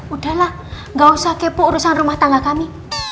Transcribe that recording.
udahlah gak usah kepo urusan rumah tangga kami